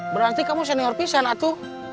berarti kamu senior pisang atu